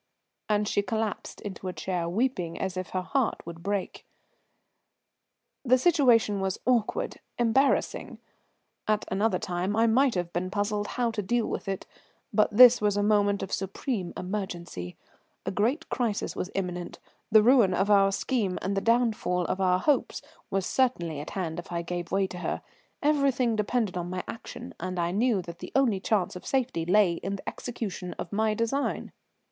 And she collapsed into a chair, weeping as if her heart would break. The situation was awkward, embarrassing. At another time I might have been puzzled how to deal with it, but this was a moment of supreme emergency. A great crisis was imminent, the ruin of our scheme and the downfall of our hopes were certainly at hand if I gave way to her. Everything depended upon my action, and I knew that the only chance of safety lay in the execution of my design.